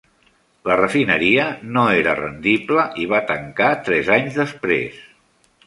La refineria no era rendible i va tancar tres anys després.